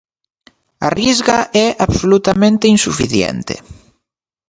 A Risga é absolutamente insuficiente.